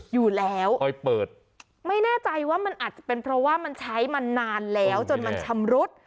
อยู่แล้วคอยเปิดไม่แน่ใจว่ามันอาจจะเป็นเพราะว่ามันใช้มานานแล้วจนมันชำรุด